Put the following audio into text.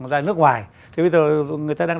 ra nước ngoài thì bây giờ người ta đang